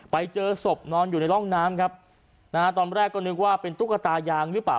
ไปเจอศพนอนอยู่ในร่องน้ำครับนะฮะตอนแรกก็นึกว่าเป็นตุ๊กตายางหรือเปล่า